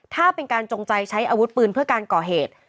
ถ้าเป็นการจงใจใช้อาวุธปืนเพื่อการก่อเหตุ